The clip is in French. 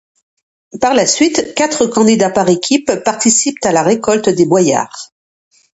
Par la suite, quatre candidats par équipe participent à la récolte des boyards.